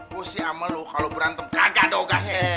gue si amal lo kalau berantem kagak dogahnya